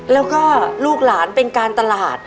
แล้วก็ลูกหลานเป็นการตลาด